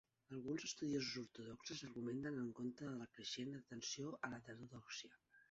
Alguns estudiosos ortodoxos argumenten en contra de la creixent atenció en l'heterodòxia.